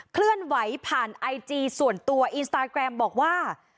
เคลื่อนไหวผ่านไอจีส่วนตัวอินสตาแกรมบอกว่า